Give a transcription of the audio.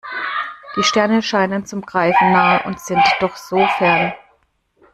Die Sterne scheinen zum Greifen nah und sind doch so fern.